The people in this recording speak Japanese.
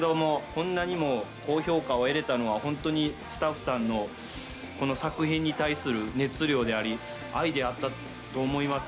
こんなにも高評価を得られたのは本当にスタッフさんのこの作品に対する熱量であり愛であったと思います。